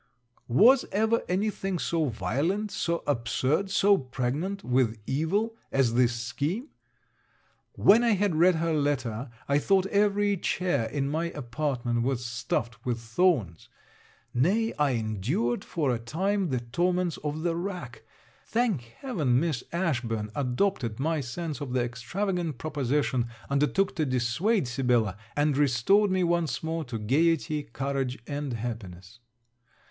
Was ever any thing so violent, so absurd, so pregnant with evil at this scheme? When I had read her letter, I thought every chair in my apartment was stuffed with thorns. Nay, I endured for a time the torments of the rack. Thank heaven! Miss Ashburn adopted my sense of the extravagant proposition, undertook to dissuade Sibella, and restored me once more to gaiety, courage, and happiness.